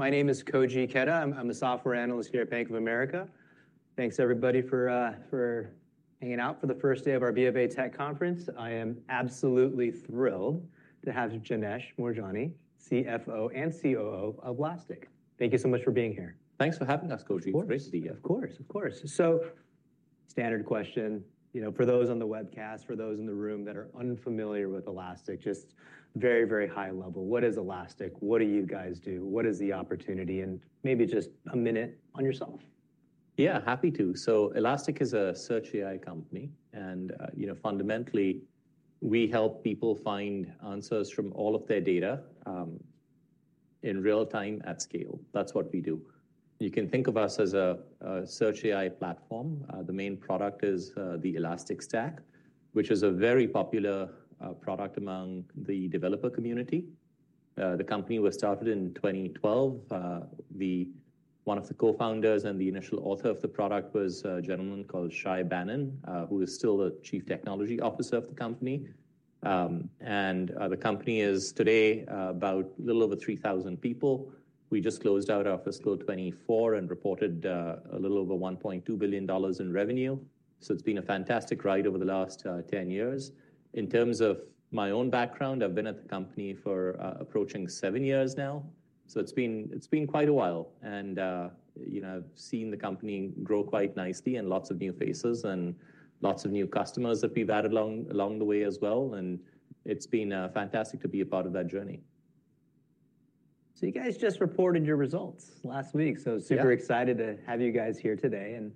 My name is Koji Ikeda. I'm a software analyst here at Bank of America. Thanks, everybody, for hanging out for the first day of our BofA tech conference. I am absolutely thrilled to have Janesh Moorjani, CFO and COO of Elastic. Thank you so much for being here. Thanks for having us, Koji. Of course. Great to be here. Of course, of course. So standard question, you know, for those on the webcast, for those in the room that are unfamiliar with Elastic, just very, very high level, what is Elastic? What do you guys do? What is the opportunity? And maybe just a minute on yourself. Yeah, happy to. So Elastic is a search AI company, and, you know, fundamentally, we help people find answers from all of their data, in real time, at scale. That's what we do. You can think of us as a search AI platform. The main product is the Elastic Stack, which is a very popular product among the developer community. The company was started in 2012. One of the co-founders and the initial author of the product was a gentleman called Shay Banon, who is still the Chief Technology Officer of the company. And the company is today about a little over 3,000 people. We just closed out our fiscal 2024 and reported a little over $1.2 billion in revenue. It's been a fantastic ride over the last 10 years. In terms of my own background, I've been at the company for approaching 7 years now, so it's been, it's been quite a while. You know, I've seen the company grow quite nicely and lots of new faces, and lots of new customers that we've added along, along the way as well, and it's been fantastic to be a part of that journey. So you guys just reported your results last week. Yeah. so super excited to have you guys here today. And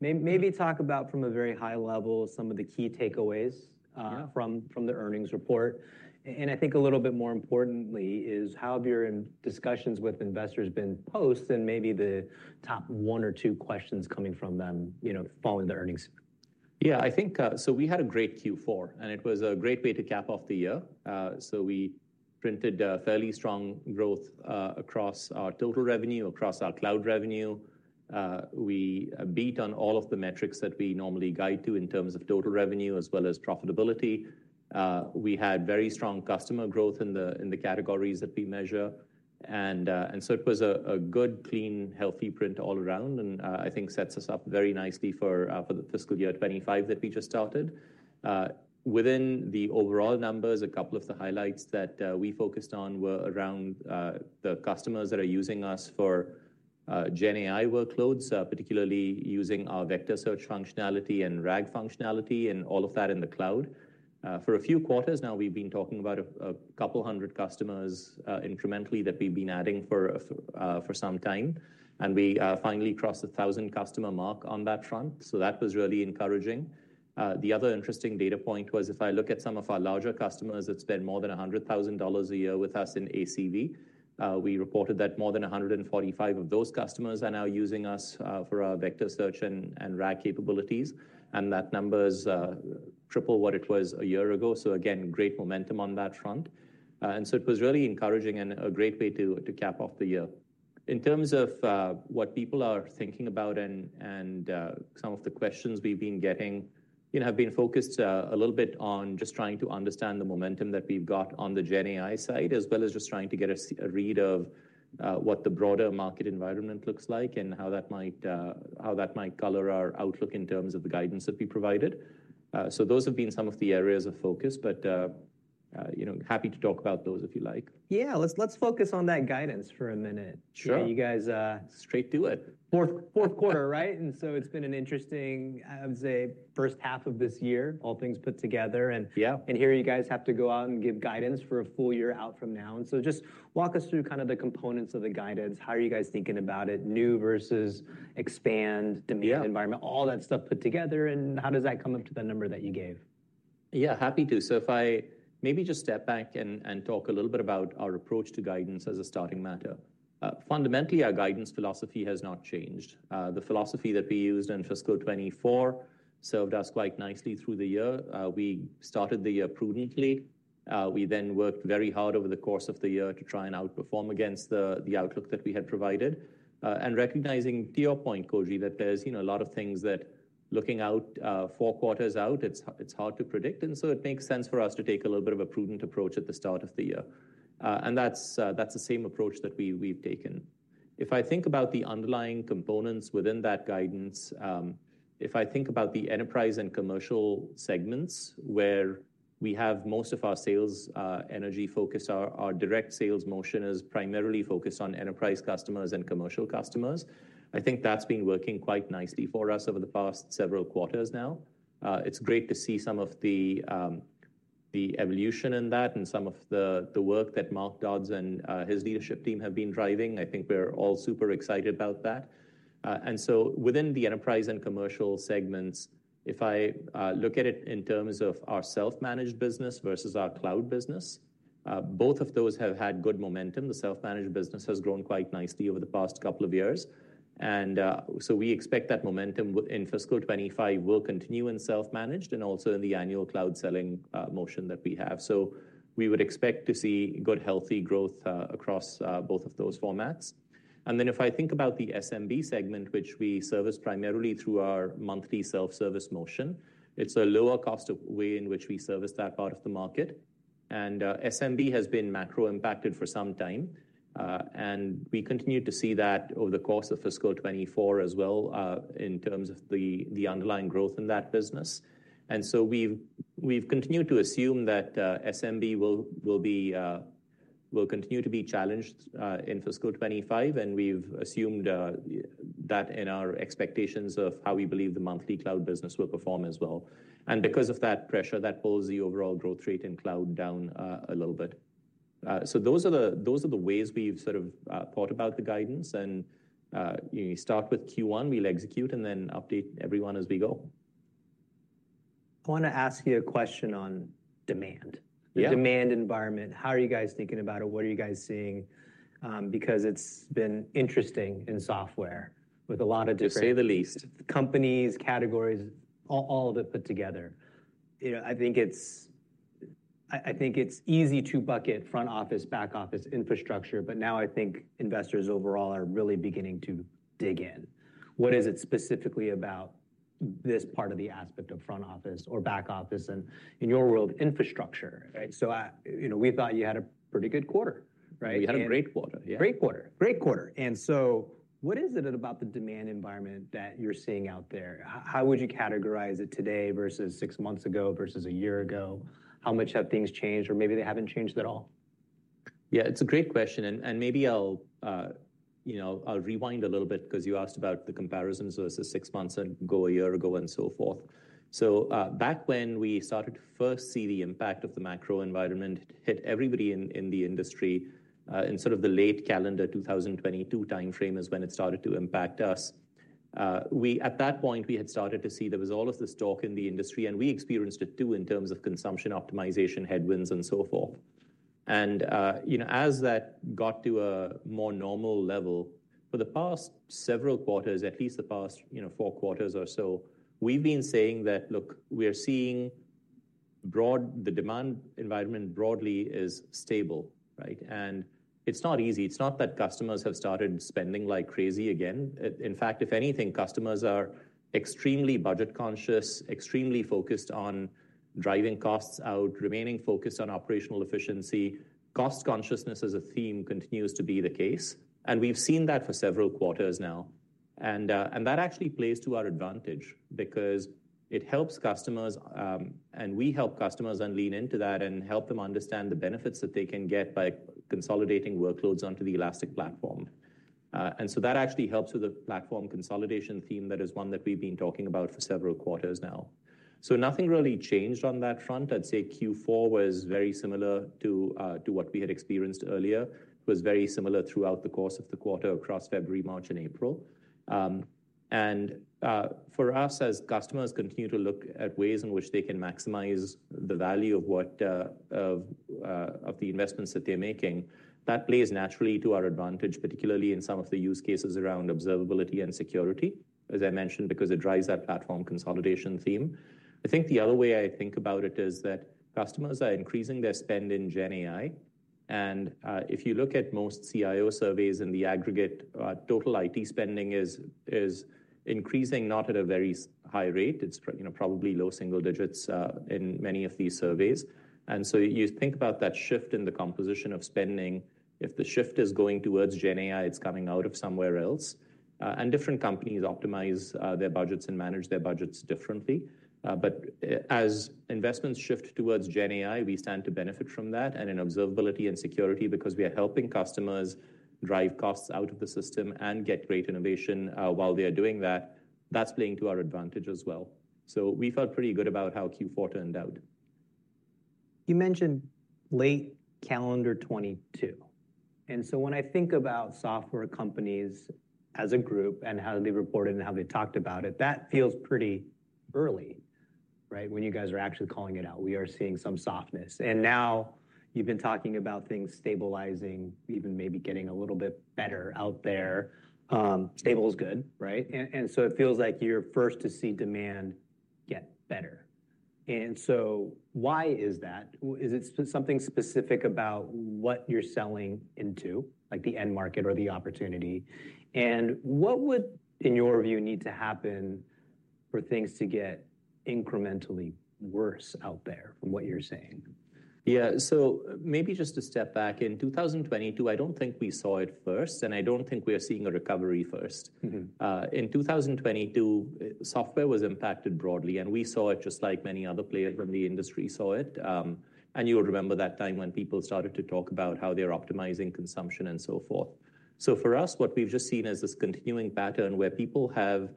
may, maybe talk about from a very high level, some of the key takeaways. Yeah From the earnings report. I think a little bit more importantly is, how have your discussions with investors been post, and maybe the top one or two questions coming from them, you know, following the earnings? Yeah, I think... So we had a great Q4, and it was a great way to cap off the year. So we printed a fairly strong growth across our total revenue, across our cloud revenue. We beat on all of the metrics that we normally guide to in terms of total revenue, as well as profitability. We had very strong customer growth in the, in the categories that we measure. And so it was a good, clean, healthy print all around, and I think sets us up very nicely for the fiscal year 25 that we just started. Within the overall numbers, a couple of the highlights that we focused on were around the customers that are using us for GenAI workloads, particularly using our vector search functionality and RAG functionality and all of that in the cloud. For a few quarters now, we've been talking about a couple hundred customers incrementally that we've been adding for some time, and we finally crossed a 1,000-customer mark on that front, so that was really encouraging. The other interesting data point was, if I look at some of our larger customers that spend more than $100,000 a year with us in ACV, we reported that more than 145 of those customers are now using us for our vector search and RAG capabilities, and that number is triple what it was a year ago. So again, great momentum on that front. And so it was really encouraging and a great way to cap off the year. In terms of what people are thinking about and some of the questions we've been getting, you know, have been focused a little bit on just trying to understand the momentum that we've got on the GenAI side, as well as just trying to get a read of what the broader market environment looks like and how that might color our outlook in terms of the guidance that we provided. So those have been some of the areas of focus, but you know, happy to talk about those, if you like. Yeah, let's, let's focus on that guidance for a minute. Sure. You guys, Straight to it. Fourth quarter, right? And so it's been an interesting, I would say, first half of this year, all things put together and- Yeah And here you guys have to go out and give guidance for a full year out from now. And so just walk us through kind of the components of the guidance. How are you guys thinking about it? New versus expand- Yeah Demand environment, all that stuff put together, and how does that come up to the number that you gave? Yeah, happy to. So if I maybe just step back and talk a little bit about our approach to guidance as a starting matter. Fundamentally, our guidance philosophy has not changed. The philosophy that we used in fiscal 2024 served us quite nicely through the year. We started the year prudently. We then worked very hard over the course of the year to try and outperform against the outlook that we had provided. And recognizing to your point, Koji, that there's, you know, a lot of things that looking out four quarters out, it's hard to predict, and so it makes sense for us to take a little bit of a prudent approach at the start of the year. And that's the same approach that we've taken. If I think about the underlying components within that guidance, if I think about the enterprise and commercial segments where we have most of our sales energy focus, our direct sales motion is primarily focused on enterprise customers and commercial customers. I think that's been working quite nicely for us over the past several quarters now. It's great to see some of the evolution in that and some of the work that Mark Dodds and his leadership team have been driving. I think we're all super excited about that. And so within the enterprise and commercial segments, if I look at it in terms of our self-managed business versus our cloud business, both of those have had good momentum. The self-managed business has grown quite nicely over the past couple of years. And, so we expect that momentum in fiscal 2025 will continue in self-managed and also in the annual cloud selling motion that we have. So we would expect to see good, healthy growth across both of those formats. And then if I think about the SMB segment, which we service primarily through our monthly self-service motion, it's a lower cost of way in which we service that part of the market, and SMB has been macro impacted for some time, and we continue to see that over the course of fiscal 2024 as well, in terms of the underlying growth in that business. And so we've continued to assume that SMB will continue to be challenged in fiscal 2025, and we've assumed that in our expectations of how we believe the monthly cloud business will perform as well. And because of that pressure, that pulls the overall growth rate in cloud down a little bit. So those are the ways we've sort of thought about the guidance and you start with Q1, we'll execute and then update everyone as we go. I want to ask you a question on demand. Yeah. The demand environment, how are you guys thinking about it? What are you guys seeing? Because it's been interesting in software with a lot of different- To say the least. Companies, categories, all, all of it put together. You know, I think it's easy to bucket front office, back office infrastructure, but now I think investors overall are really beginning to dig in. What is it specifically about this part of the aspect of front office or back office, and in your world, infrastructure, right? So, we thought you had a pretty good quarter, right? We had a great quarter, yeah. Great quarter, great quarter. And so what is it about the demand environment that you're seeing out there? How would you categorize it today versus six months ago, versus a year ago? How much have things changed, or maybe they haven't changed at all? Yeah, it's a great question, and maybe I'll, you know, I'll rewind a little bit because you asked about the comparisons versus six months ago, a year ago, and so forth. So, back when we started to first see the impact of the macro environment hit everybody in the industry, in sort of the late calendar 2022 timeframe is when it started to impact us. At that point, we had started to see there was all of this talk in the industry, and we experienced it too, in terms of consumption, optimization, headwinds, and so forth. And, you know, as that got to a more normal level, for the past several quarters, at least the past, you know, four quarters or so, we've been saying that, look, we are seeing broad the demand environment broadly is stable, right? And it's not easy. It's not that customers have started spending like crazy again. In fact, if anything, customers are extremely budget conscious, extremely focused on driving costs out, remaining focused on operational efficiency. Cost consciousness as a theme continues to be the case, and we've seen that for several quarters now. And, and that actually plays to our advantage because it helps customers, and we help customers and lean into that and help them understand the benefits that they can get by consolidating workloads onto the Elastic Platform. And so that actually helps with the platform consolidation theme, that is one that we've been talking about for several quarters now. So nothing really changed on that front. I'd say Q4 was very similar to, to what we had experienced earlier. It was very similar throughout the course of the quarter across February, March, and April. For us, as customers continue to look at ways in which they can maximize the value of the investments that they're making, that plays naturally to our advantage, particularly in some of the use cases around observability and security, as I mentioned, because it drives that platform consolidation theme. I think the other way I think about it is that customers are increasing their spend in GenAI, and if you look at most CIO surveys in the aggregate, total IT spending is increasing not at a very high rate. It's you know, probably low single digits in many of these surveys. So you think about that shift in the composition of spending. If the shift is going towards Gen AI, it's coming out of somewhere else, and different companies optimize their budgets and manage their budgets differently. But as investments shift towards Gen AI, we stand to benefit from that, and in observability and security, because we are helping customers drive costs out of the system and get great innovation while they are doing that. That's playing to our advantage as well. So we felt pretty good about how Q4 turned out. You mentioned late calendar 2022, and so when I think about software companies as a group and how they reported and how they talked about it, that feels pretty early, right? When you guys are actually calling it out, we are seeing some softness. And now, you've been talking about things stabilizing, even maybe getting a little bit better out there. Stable is good, right? And so it feels like you're first to see demand get better. And so why is that? Why is it something specific about what you're selling into, like the end market or the opportunity? And what would, in your view, need to happen for things to get incrementally worse out there from what you're saying? Yeah. So maybe just to step back. In 2022, I don't think we saw it first, and I don't think we are seeing a recovery first. In 2022, software was impacted broadly, and we saw it just like many other players from the industry saw it. And you would remember that time when people started to talk about how they're optimizing consumption and so forth. So for us, what we've just seen is this continuing pattern where people have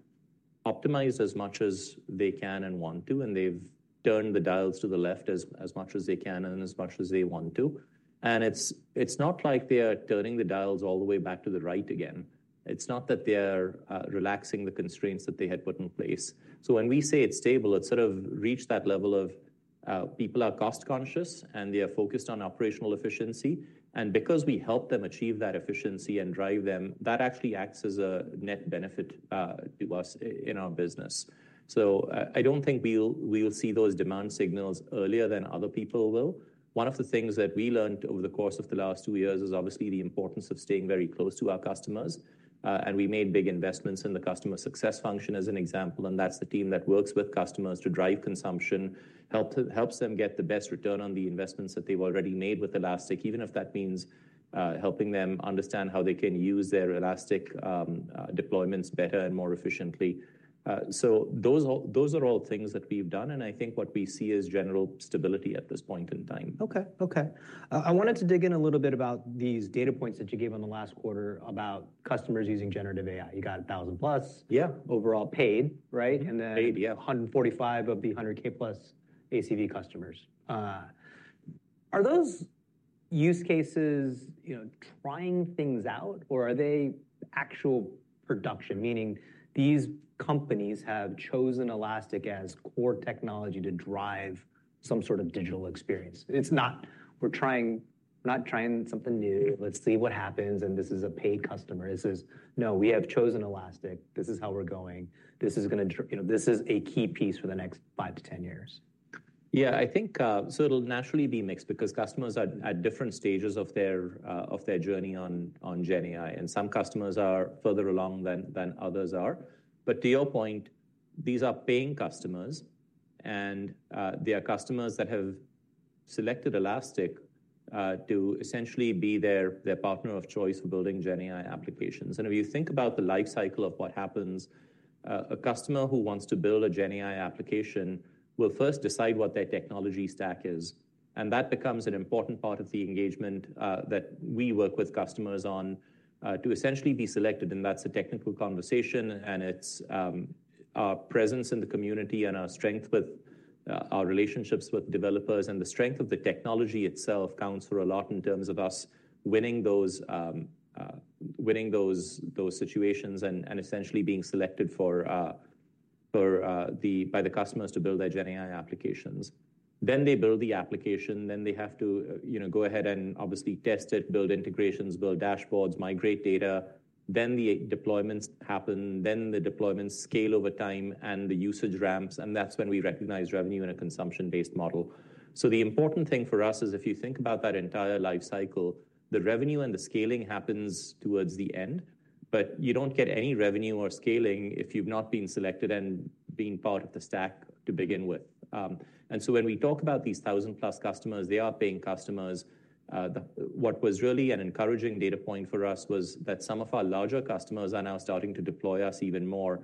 optimized as much as they can and want to, and they've turned the dials to the left as much as they can and as much as they want to. And it's not like they are turning the dials all the way back to the right again. It's not that they are relaxing the constraints that they had put in place. So when we say it's stable, it sort of reached that level, people are cost-conscious, and they are focused on operational efficiency. Because we help them achieve that efficiency and drive them, that actually acts as a net benefit to us in our business. I don't think we will see those demand signals earlier than other people will. One of the things that we learned over the course of the last two years is obviously the importance of staying very close to our customers, and we made big investments in the customer success function as an example, and that's the team that works with customers to drive consumption, helps them get the best return on the investments that they've already made with Elastic, even if that means helping them understand how they can use their Elastic deployments better and more efficiently. So those are all things that we've done, and I think what we see is general stability at this point in time. Okay. Okay. I wanted to dig in a little bit about these data points that you gave on the last quarter about customers using generative AI. You got 1,000 plus- Yeah. overall paid, right? Maybe, yeah. Then 145 of the 100K+ ACV customers. Are those use cases, you know, trying things out, or are they actual production? Meaning, these companies have chosen Elastic as core technology to drive some sort of digital experience. It's not, we're not trying something new, let's see what happens, and this is a paid customer. This is, "No, we have chosen Elastic. This is how we're going. This is gonna drive, you know, this is a key piece for the next five to 10 years. Yeah, I think so it'll naturally be mixed because customers are at different stages of their journey on GenAI, and some customers are further along than others are. But to your point, these are paying customers, and they are customers that have selected Elastic to essentially be their partner of choice for building GenAI applications. And if you think about the life cycle of what happens, a customer who wants to build a GenAI application will first decide what their technology stack is, and that becomes an important part of the engagement that we work with customers on to essentially be selected, and that's a technical conversation, and it's our presence in the community and our strength with our relationships with developers, and the strength of the technology itself counts for a lot in terms of us winning those situations and essentially being selected for by the customers to build their GenAI applications. Then they build the application, then they have to, you know, go ahead and obviously test it, build integrations, build dashboards, migrate data. Then the deployments happen, then the deployments scale over time, and the usage ramps, and that's when we recognize revenue in a consumption-based model. So the important thing for us is if you think about that entire life cycle, the revenue and the scaling happens towards the end, but you don't get any revenue or scaling if you've not been selected and been part of the stack to begin with. And so when we talk about these 1,000-plus customers, they are paying customers. What was really an encouraging data point for us was that some of our larger customers are now starting to deploy us even more,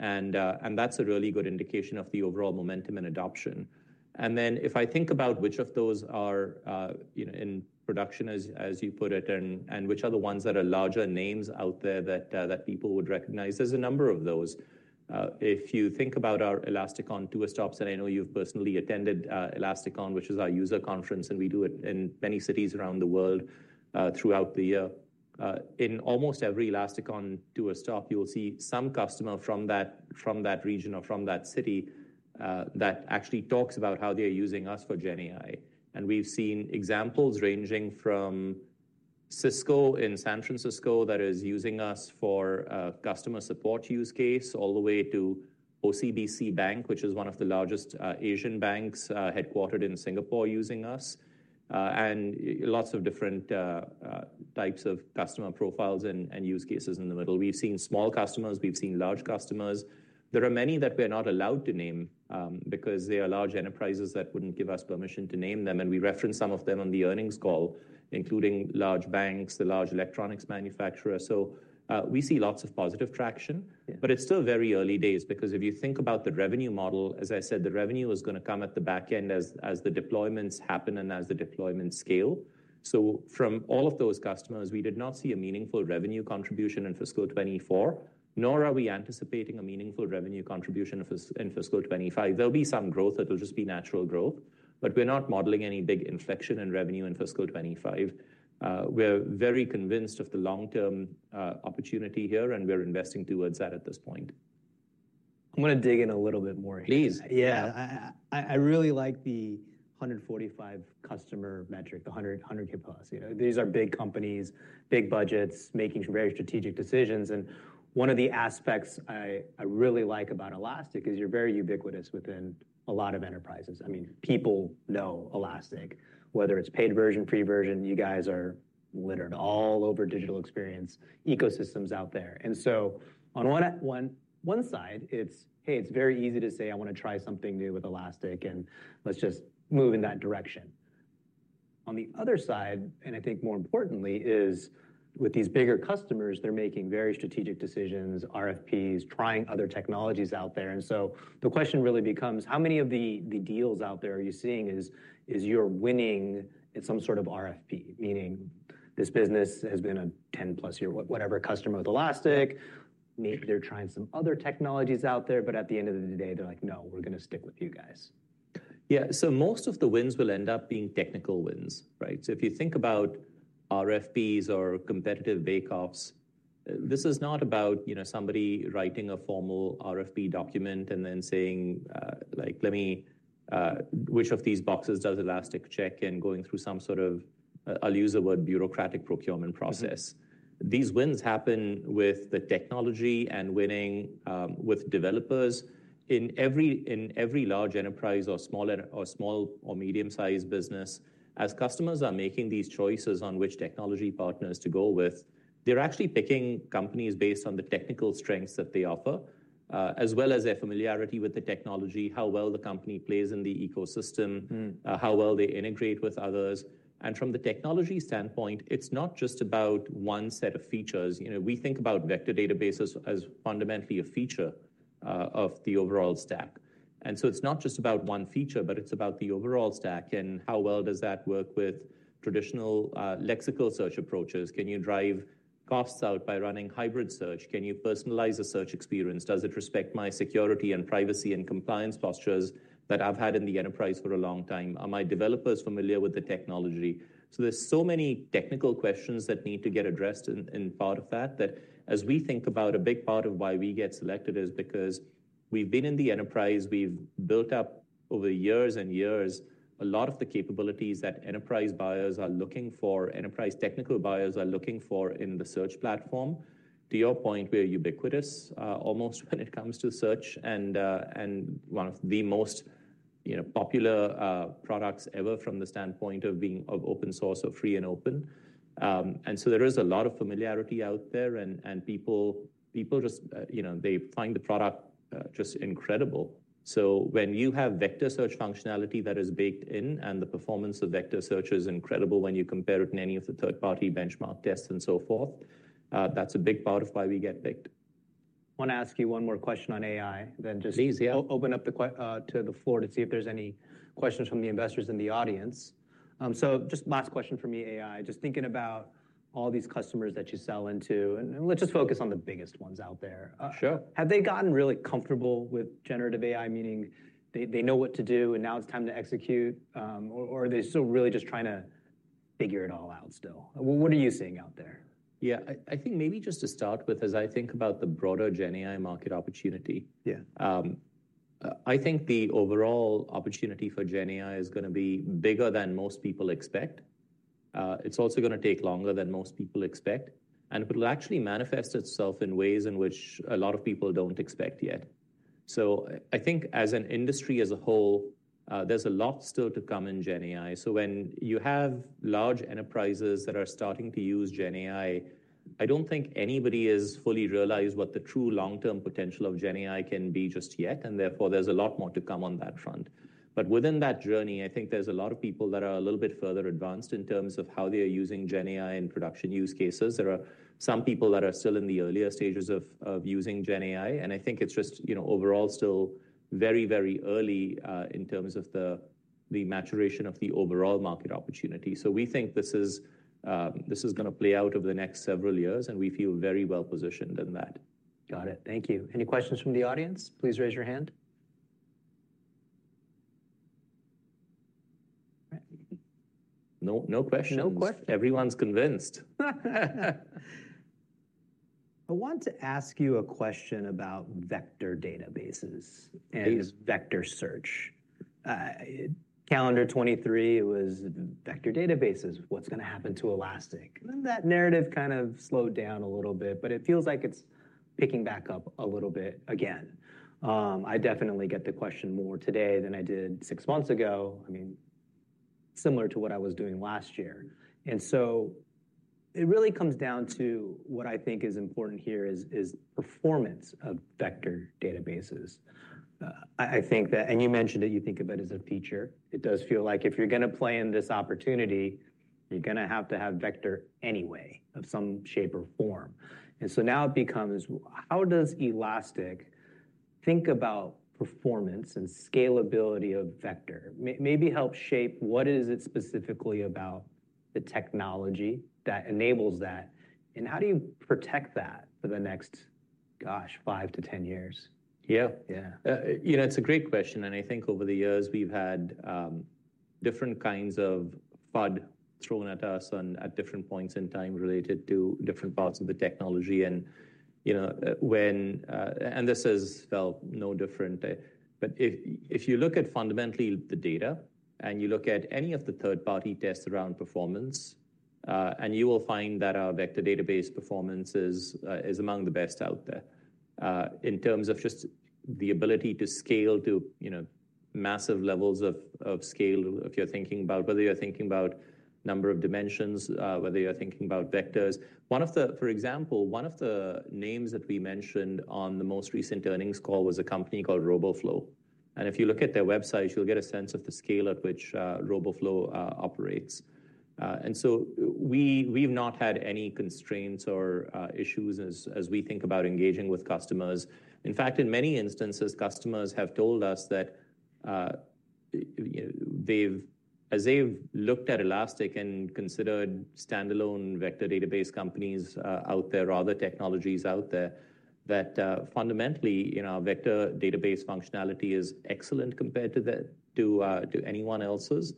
and that's a really good indication of the overall momentum and adoption. And then, if I think about which of those are, you know, in production, as, as you put it, and, and which are the ones that are larger names out there that, that people would recognize, there's a number of those. If you think about our ElasticON tour stops, and I know you've personally attended, ElasticON, which is our user conference, and we do it in many cities around the world, throughout the year. In almost every ElasticON tour stop, you will see some customer from that, from that region or from that city, that actually talks about how they are using us for GenAI. We've seen examples ranging from Cisco in San Francisco that is using us for a customer support use case, all the way to OCBC Bank, which is one of the largest Asian banks headquartered in Singapore, using us. And lots of different types of customer profiles and use cases in the middle. We've seen small customers, we've seen large customers. There are many that we're not allowed to name because they are large enterprises that wouldn't give us permission to name them, and we referenced some of them on the earnings call, including large banks, the large electronics manufacturers. So, we see lots of positive traction. Yeah. But it's still very early days because if you think about the revenue model, as I said, the revenue is gonna come at the back end as the deployments happen and as the deployments scale. So from all of those customers, we did not see a meaningful revenue contribution in fiscal 2024, nor are we anticipating a meaningful revenue contribution in fiscal 2025. There'll be some growth, it'll just be natural growth, but we're not modeling any big inflection in revenue in fiscal 2025. We're very convinced of the long-term opportunity here, and we're investing towards that at this point. I'm gonna dig in a little bit more here. Please. Yeah. I really like the 145 customer metric, the 100K plus. You know, these are big companies, big budgets, making some very strategic decisions, and one of the aspects I really like about Elastic is you're very ubiquitous within a lot of enterprises. I mean, people know Elastic. Whether it's paid version, free version, you guys are littered all over digital experience, ecosystems out there. And so on one side, it's, hey, it's very easy to say: I want to try something new with Elastic, and let's just move in that direction. On the other side, and I think more importantly, is with these bigger customers, they're making very strategic decisions, RFPs, trying other technologies out there. And so the question really becomes: How many of the deals out there are you seeing you're winning in some sort of RFP? Meaning, this business has been a 10-plus year whatever customer with Elastic, maybe they're trying some other technologies out there, but at the end of the day, they're like: No, we're gonna stick with you guys. Yeah. So most of the wins will end up being technical wins, right? So if you think about RFPs or competitive bake-offs... This is not about, you know, somebody writing a formal RFP document and then saying, like, "Let me, which of these boxes does Elastic check?" And going through some sort of, I'll use the word bureaucratic procurement process. These wins happen with the technology and winning, with developers. In every, in every large enterprise or smaller or small or medium-sized business, as customers are making these choices on which technology partners to go with, they're actually picking companies based on the technical strengths that they offer, as well as their familiarity with the technology, how well the company plays in the ecosystem- How well they integrate with others. From the technology standpoint, it's not just about one set of features. You know, we think about vector databases as fundamentally a feature of the overall stack. So it's not just about one feature, but it's about the overall stack and how well does that work with traditional lexical search approaches. Can you drive costs out by running hybrid search? Can you personalize the search experience? Does it respect my security and privacy and compliance postures that I've had in the enterprise for a long time? Are my developers familiar with the technology? So, there's so many technical questions that need to get addressed, as we think about a big part of why we get selected, because we've been in the enterprise. We've built up over years and years a lot of the capabilities that enterprise buyers are looking for, enterprise technical buyers are looking for in the search platform. To your point, we're ubiquitous, almost when it comes to search, and one of the most, you know, popular products ever from the standpoint of being open source or free and open. And so there is a lot of familiarity out there, and people just, you know, they find the product just incredible. So when you have vector search functionality that is baked in, and the performance of vector search is incredible when you compare it in any of the third-party benchmark tests and so forth, that's a big part of why we get picked. I want to ask you one more question on AI, then just- Easy. Open up the Q&A to the floor to see if there's any questions from the investors in the audience. So just last question for me, AI. Just thinking about all these customers that you sell into, and, and let's just focus on the biggest ones out there. Sure. Have they gotten really comfortable with generative AI, meaning they, they know what to do, and now it's time to execute, or, or are they still really just trying to figure it all out still? What are you seeing out there? Yeah, I, I think maybe just to start with, as I think about the broader GenAI market opportunity- Yeah.... I think the overall opportunity for GenAI is gonna be bigger than most people expect. It's also gonna take longer than most people expect, and it will actually manifest itself in ways in which a lot of people don't expect yet. So I think as an industry, as a whole, there's a lot still to come in GenAI. So when you have large enterprises that are starting to use GenAI, I don't think anybody has fully realized what the true long-term potential of GenAI can be just yet, and therefore, there's a lot more to come on that front. But within that journey, I think there's a lot of people that are a little bit further advanced in terms of how they are using GenAI in production use cases. There are some people that are still in the earlier stages of using GenAI, and I think it's just, you know, overall still very, very early, in terms of the maturation of the overall market opportunity. So we think this is, this is gonna play out over the next several years, and we feel very well positioned in that. Got it. Thank you. Any questions from the audience? Please raise your hand. No, no questions. No questions. Everyone's convinced. I want to ask you a question about vector databases- Please. and vector search. Calendar 2023, it was vector databases, what's gonna happen to Elastic? And then that narrative kind of slowed down a little bit, but it feels like it's picking back up a little bit again. I definitely get the question more today than I did six months ago. I mean, similar to what I was doing last year. And so it really comes down to what I think is important here is performance of vector databases. I think that... And you mentioned that you think of it as a feature. It does feel like if you're gonna play in this opportunity, you're gonna have to have vector anyway, of some shape or form. And so now it becomes: how does Elastic think about performance and scalability of vector? Maybe help shape what is it specifically about the technology that enables that, and how do you protect that for the next, gosh, five to 10 years? Yeah. Yeah. You know, it's a great question, and I think over the years, we've had different kinds of FUD thrown at us and at different points in time related to different parts of the technology. And, you know, and this is, well, no different. But if, if you look at fundamentally the data, and you look at any of the third-party tests around performance, and you will find that our vector database performance is, is among the best out there, in terms of just the ability to scale to, you know, massive levels of scale, if you're thinking about whether you're thinking about number of dimensions, whether you're thinking about vectors. For example, one of the names that we mentioned on the most recent earnings call was a company called Roboflow. And if you look at their website, you'll get a sense of the scale at which Roboflow operates. And so we, we've not had any constraints or issues as we think about engaging with customers. In fact, in many instances, customers have told us that you know, they've, as they've looked at Elastic and considered standalone vector database companies out there or other technologies out there, that fundamentally, you know, vector database functionality is excellent compared to the to anyone else's.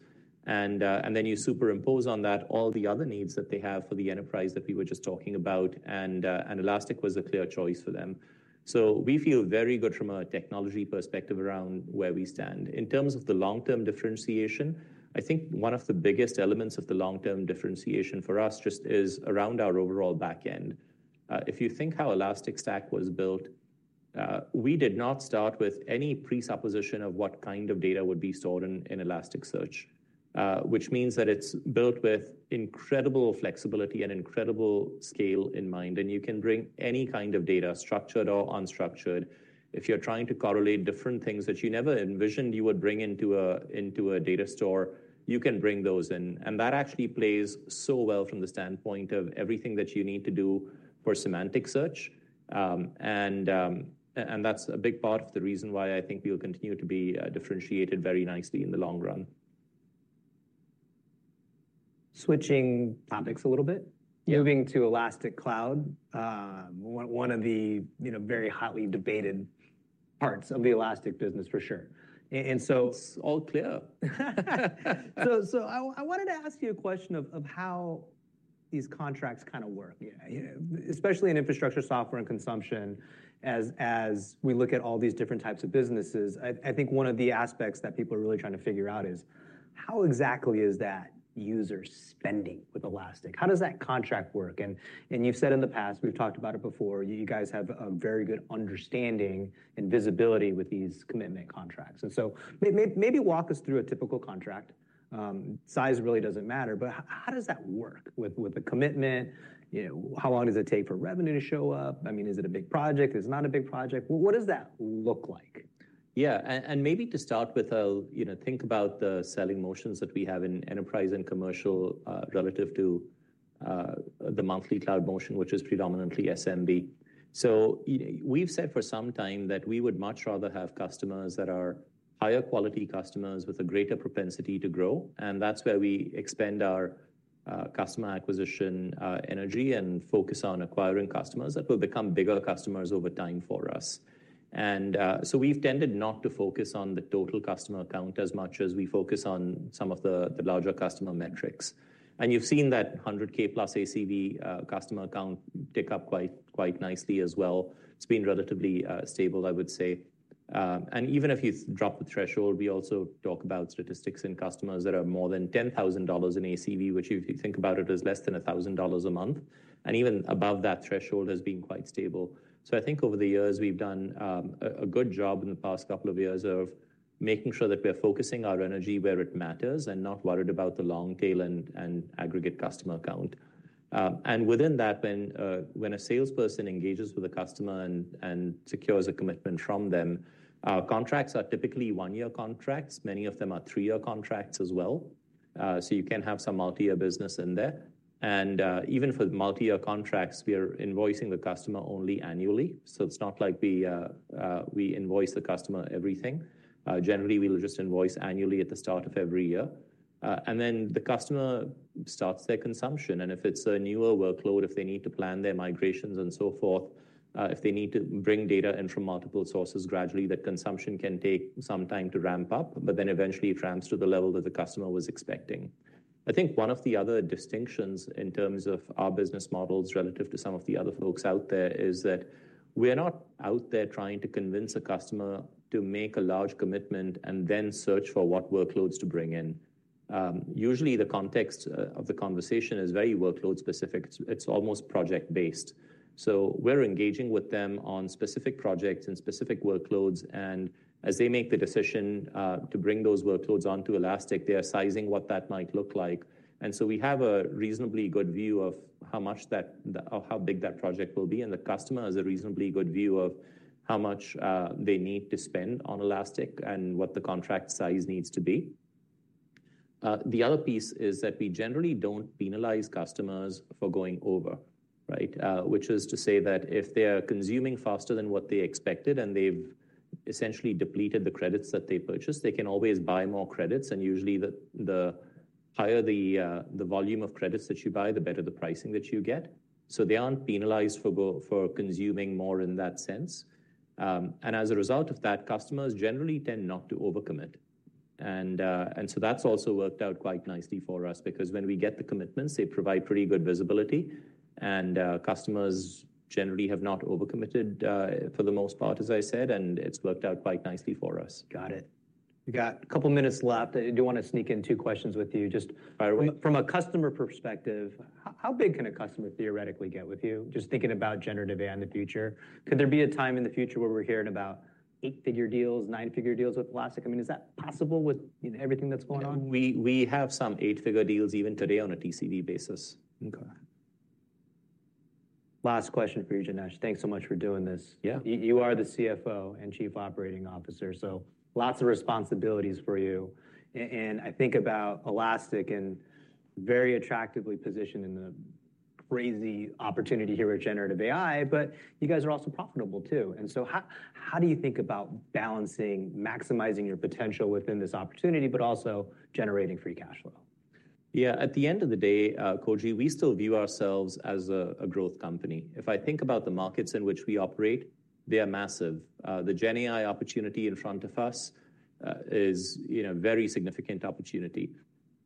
And then you superimpose on that all the other needs that they have for the enterprise that we were just talking about, and Elastic was a clear choice for them. So we feel very good from a technology perspective around where we stand. In terms of the long-term differentiation, I think one of the biggest elements of the long-term differentiation for us just is around our overall back end. If you think how Elastic Stack was built, we did not start with any presupposition of what kind of data would be stored in Elasticsearch, which means that it's built with incredible flexibility and incredible scale in mind, and you can bring any kind of data, structured or unstructured. If you're trying to correlate different things that you never envisioned you would bring into a data store, you can bring those in. And that actually plays so well from the standpoint of everything that you need to do for semantic search. And that's a big part of the reason why I think we'll continue to be differentiated very nicely in the long run. Switching topics a little bit- Yeah. Moving to Elastic Cloud, one of the, you know, very hotly debated parts of the Elastic business, for sure. And so- It's all clear. So, I wanted to ask you a question of how these contracts kind of work. Yeah, especially in infrastructure, software, and consumption, as we look at all these different types of businesses, I think one of the aspects that people are really trying to figure out is: how exactly is that user spending with Elastic? How does that contract work? And you've said in the past, we've talked about it before, you guys have a very good understanding and visibility with these commitment contracts. And so maybe walk us through a typical contract. Size really doesn't matter, but how does that work with the commitment? You know, how long does it take for revenue to show up? I mean, is it a big project? Is it not a big project? What does that look like? Yeah, and maybe to start with, you know, think about the selling motions that we have in enterprise and commercial, relative to, the monthly cloud motion, which is predominantly SMB. So we've said for some time that we would much rather have customers that are higher-quality customers with a greater propensity to grow, and that's where we expend our, customer acquisition, energy and focus on acquiring customers that will become bigger customers over time for us. And, so we've tended not to focus on the total customer count as much as we focus on some of the larger customer metrics. And you've seen that 100K+ ACV customer count tick up quite nicely as well. It's been relatively, stable, I would say. And even if you drop the threshold, we also talk about statistics in customers that are more than $10,000 in ACV, which if you think about it, is less than $1,000 a month, and even above that threshold has been quite stable. So I think over the years, we've done a good job in the past couple of years of making sure that we are focusing our energy where it matters and not worried about the long tail and aggregate customer count. And within that, when a salesperson engages with a customer and secures a commitment from them, our contracts are typically one-year contracts. Many of them are three-year contracts as well, so you can have some multi-year business in there. And, even for the multi-year contracts, we are invoicing the customer only annually, so it's not like we, we invoice the customer everything. Generally, we'll just invoice annually at the start of every year. And then the customer starts their consumption, and if it's a newer workload, if they need to plan their migrations and so forth, if they need to bring data in from multiple sources, gradually, that consumption can take some time to ramp up, but then eventually it ramps to the level that the customer was expecting. I think one of the other distinctions in terms of our business models relative to some of the other folks out there, is that we are not out there trying to convince a customer to make a large commitment and then search for what workloads to bring in. Usually, the context of the conversation is very workload-specific. It's, it's almost project-based. So we're engaging with them on specific projects and specific workloads, and as they make the decision to bring those workloads onto Elastic, they are sizing what that might look like. And so we have a reasonably good view of how much that-- or how big that project will be, and the customer has a reasonably good view of how much they need to spend on Elastic and what the contract size needs to be. The other piece is that we generally don't penalize customers for going over, right? Which is to say that if they are consuming faster than what they expected and they've essentially depleted the credits that they purchased, they can always buy more credits, and usually, the higher the volume of credits that you buy, the better the pricing that you get. So they aren't penalized for consuming more in that sense. And as a result of that, customers generally tend not to overcommit. And so that's also worked out quite nicely for us because when we get the commitments, they provide pretty good visibility, and customers generally have not overcommitted for the most part, as I said, and it's worked out quite nicely for us. Got it. We got a couple of minutes left. I do wanna sneak in two questions with you. Just- Fire away. From a customer perspective, how big can a customer theoretically get with you? Just thinking about generative AI in the future. Could there be a time in the future where we're hearing about eight-figure deals, nine-figure deals with Elastic? I mean, is that possible with, you know, everything that's going on? We have some eight-figure deals even today on a TCV basis. Okay. Last question for you, Janesh. Thanks so much for doing this. Yeah. You, you are the CFO and Chief Operating Officer, so lots of responsibilities for you. And I think about Elastic and very attractively positioned in the crazy opportunity here with generative AI, but you guys are also profitable, too. And so how do you think about balancing, maximizing your potential within this opportunity, but also generating free cash flow? Yeah, at the end of the day, Koji, we still view ourselves as a growth company. If I think about the markets in which we operate, they are massive. The GenAI opportunity in front of us is, you know, very significant opportunity.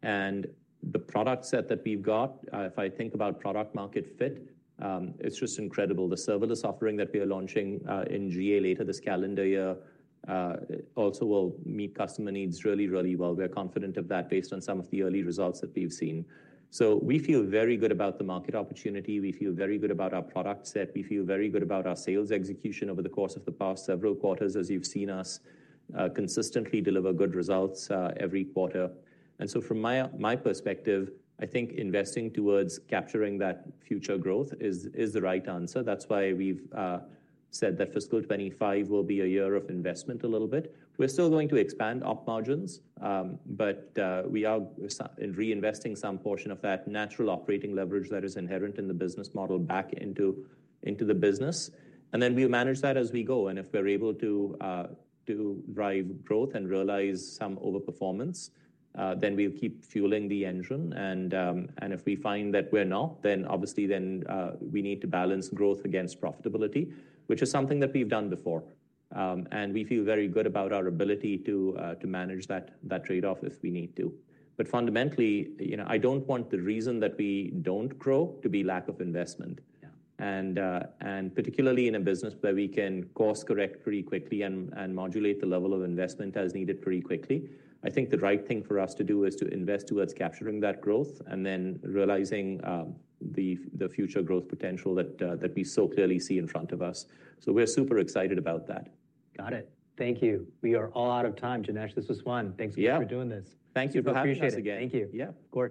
And the product set that we've got, if I think about product market fit, it's just incredible. The serverless offering that we are launching in GA later this calendar year also will meet customer needs really, really well. We are confident of that based on some of the early results that we've seen. So we feel very good about the market opportunity. We feel very good about our product set. We feel very good about our sales execution over the course of the past several quarters, as you've seen us consistently deliver good results every quarter. From my perspective, I think investing towards capturing that future growth is the right answer. That's why we've said that fiscal 2025 will be a year of investment a little bit. We're still going to expand op margins, but we are reinvesting some portion of that natural operating leverage that is inherent in the business model back into the business, and then we manage that as we go. And if we're able to drive growth and realize some overperformance, then we'll keep fueling the engine. And if we find that we're not, then obviously we need to balance growth against profitability, which is something that we've done before. And we feel very good about our ability to manage that trade-off if we need to. Fundamentally, you know, I don't want the reason that we don't grow to be lack of investment. Yeah. And particularly in a business where we can course-correct pretty quickly and modulate the level of investment as needed pretty quickly, I think the right thing for us to do is to invest towards capturing that growth, and then realizing the future growth potential that we so clearly see in front of us. So we're super excited about that. Got it. Thank you. We are all out of time, Janesh. This was fun. Yeah. Thanks for doing this. Thank you for having us again. Super appreciate it. Thank you. Yeah. Of course.